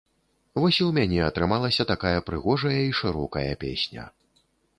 Вось і ў мяне атрымалася такая прыгожая і шырокая песня.